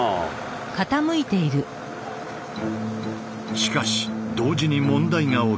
しかし同時に問題が起きる。